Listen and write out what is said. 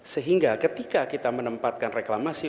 sehingga ketika kita menempatkan reklamasi